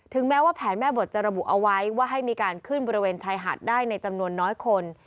แม้ว่าแผนแม่บทจะระบุเอาไว้ว่าให้มีการขึ้นบริเวณชายหาดได้ในจำนวนน้อยคน